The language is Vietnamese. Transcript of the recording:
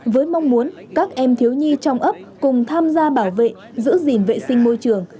với mong muốn các em thiếu nhi trong ấp cùng tham gia bảo vệ giữ gìn vệ sinh môi trường